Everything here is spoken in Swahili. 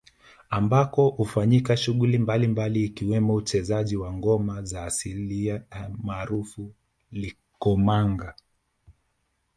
Ambako hufanyika shughuli mbalimbali ikiwemo uchezaji wa ngoma za asili maarufu Likomanga